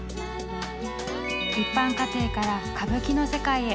一般家庭から歌舞伎の世界へ。